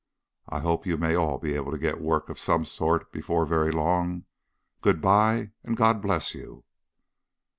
I hope you may all be able to get work of some sort before very long. Good bye, and God bless you!"